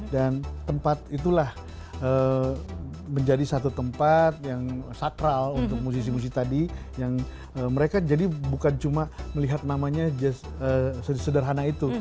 dan tempat itulah menjadi satu tempat yang satral untuk musisi musisi tadi yang mereka jadi bukan cuma melihat namanya sederhana itu